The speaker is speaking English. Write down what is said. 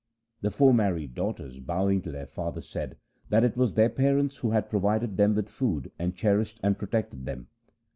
The four married daughters bowing to their father said, that it was their parents who had provided them with food and cherished and protected them.